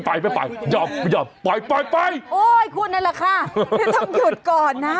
ค่ะไม่ต้องหยุดก่อนนะ